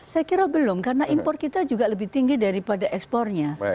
saya kira belum karena impor kita juga lebih tinggi daripada ekspornya